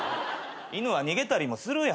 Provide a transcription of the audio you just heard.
犬は逃げたりもするやん。